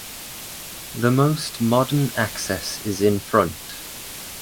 The most modern access is in front.